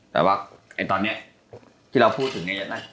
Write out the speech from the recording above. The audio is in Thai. แต่ว่าตอนนี้ที่เราพูดถึงเนี่ยนะ